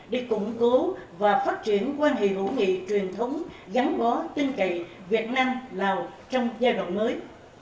để củng cố và phát triển quan hệ hữu nghị truyền thống gắn bó tin cậy việt nam lào trong giai đoạn mới